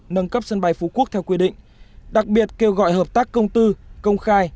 nâng cấp sân bay phú quốc theo quy định đặc biệt kêu gọi hợp tác công tư công khai